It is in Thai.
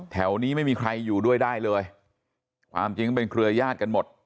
แถวนี้ไม่มีใครอยู่ด้วยได้เลยความจริงก็เป็นเครือยาศกันหมด